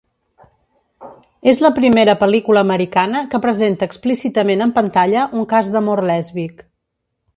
És la primera pel·lícula americana que presenta explícitament en pantalla un cas d'amor lèsbic.